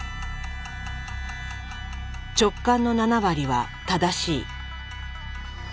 「直感の七割は正しい」。